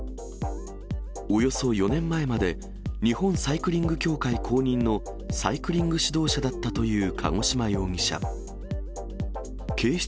およそ４年前まで、日本サイクリング協会公認のサイクリング指導者だったという鹿児島容疑者。